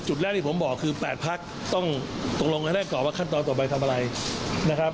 จุดแรกที่ผมบอกคือ๘พักต้องตกลงกันได้ก่อนว่าขั้นตอนต่อไปทำอะไรนะครับ